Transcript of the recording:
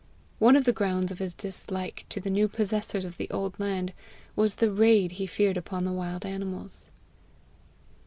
One of the grounds of his dislike to the new possessors of the old land was the raid he feared upon the wild animals.